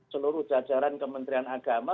seluruh jajaran kementerian agama